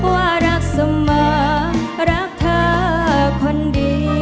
ว่ารักเสมอรักเธอคนดี